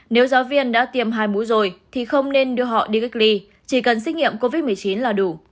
nếu giáo viên đã tiêm hai mũi rồi thì không nên đưa họ đi cách ly chỉ cần xét nghiệm covid một mươi chín là đủ